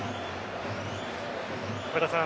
岡田さん